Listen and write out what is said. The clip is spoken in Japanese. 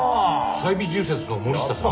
サイビ住設の森下さん？